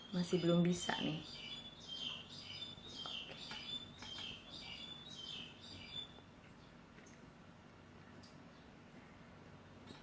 masih belum bisa nih